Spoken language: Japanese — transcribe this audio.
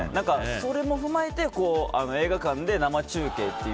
それも踏まえて映画館で生中継という。